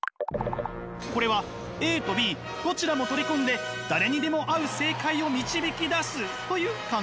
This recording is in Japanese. これはＡとＢどちらも取り込んで誰にでも合う正解を導き出すという考え方。